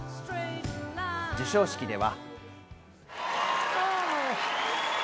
授賞式では。